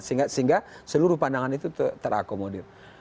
sehingga seluruh pandangan itu terakomodir